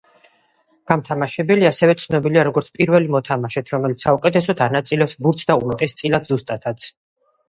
გამთამაშებელი, ასევე ცნობილია როგორც პირველი მოთამაშედ, რომელიც საუკეთესოდ ანაწილებს ბურთს და უმეტესწილად ზუსტადაც.